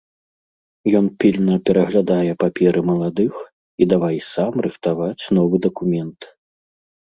Ён пільна пераглядае паперы маладых і давай сам рыхтаваць новы дакумент.